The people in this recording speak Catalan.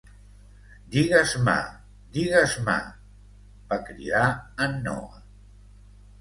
"Digues-me, digues-me!", va cridar en Noah.